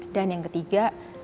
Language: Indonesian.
dan yang ketiga